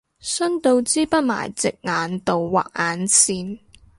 伸到支筆埋隻眼度畫眼線